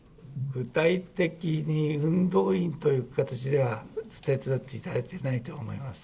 具体的に運動員という形では手伝っていただいてないと思います。